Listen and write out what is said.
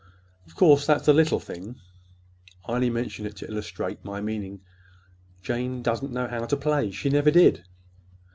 Of course, that's a little thing. I only mentioned it to illustrate my meaning. Jane doesn't know how to play. She never did.